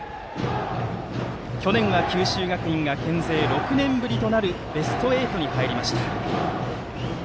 去年は九州学院が県勢６年ぶりとなるベスト８になりました。